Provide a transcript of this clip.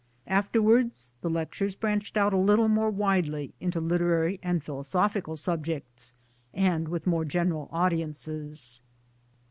Afterwards the lectures branched out a little more widely into literary and philosophical subjects, and with more general audiences.